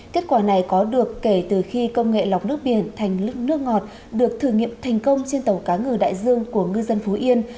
kết quả này có được kể từ khi công nghệ lọc nước biển thành nước ngọt được thử nghiệm thành công trên tàu cá ngừ đại dương của ngư dân phú yên